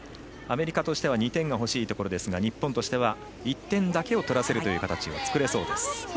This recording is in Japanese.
アメリカとしては２点が欲しいところですが日本としては１点だけを取らせるという形を作れそうです。